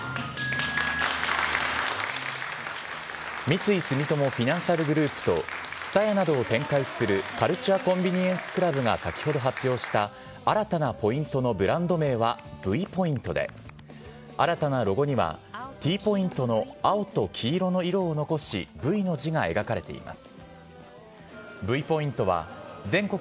三井住友フィナンシャルグループとＴＳＵＴＡＹＡなどを展開するカルチュア・コンビニエンス・クラブが先ほど発表した新たなポイントのブランド名はＶポイントで、新たなロゴにはＴポイントの青と黄色の色を残し、Ｖの字が描かれています。